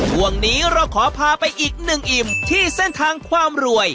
ช่วงนี้เราขอพาไปอีกหนึ่งอิ่มที่เส้นทางความรวย